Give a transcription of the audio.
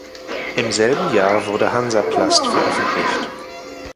Im selben Jahr wurde Hansaplast veröffentlicht.